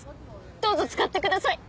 どうぞ使ってください。